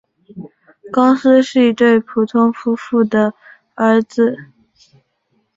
高斯是一对普通夫妇的儿子。